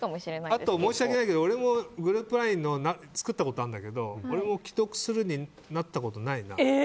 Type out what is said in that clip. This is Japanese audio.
あと、申し訳ないけどグループＬＩＮＥ作ったことあるんだけど俺も既読スルーになったことないな。